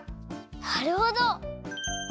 なるほど。